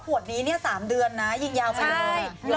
ขวดนี้๓เดือนนะยิ่งยาวไปกว่า